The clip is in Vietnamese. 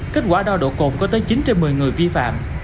kết quả đo độ cồn có tới chín trên một mươi người vi phạm